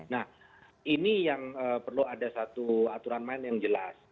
nah ini yang perlu ada satu aturan main yang jelas